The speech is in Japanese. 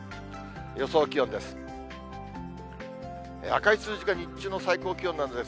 予想気温です。